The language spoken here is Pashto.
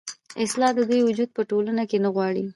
اصـلا د دوي وجـود پـه ټـولـنـه کـې نـه غـواړي.